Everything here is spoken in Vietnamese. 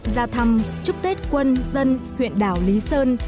ra thăm chúc tết quân dân huyện đảo lý sơn